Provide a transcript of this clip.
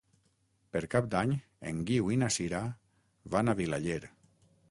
Per Cap d'Any en Guiu i na Sira van a Vilaller.